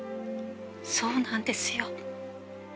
そうなんですよ。